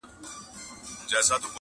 لکه سرو معلومداره په چمن کي!